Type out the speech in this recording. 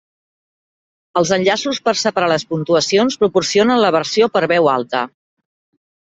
Els enllaços per separar les puntuacions proporcionen la versió per veu alta.